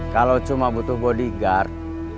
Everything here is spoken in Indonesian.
kalau cuma butuh bodyguard